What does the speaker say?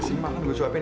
nusik ham kan gue supin